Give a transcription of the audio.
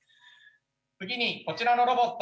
次にこちらのロボット。